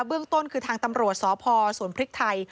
เรื่องต้นคือทางตำรวจสพสวนพริกไทย